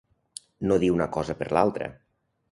No dir una cosa per l'altra.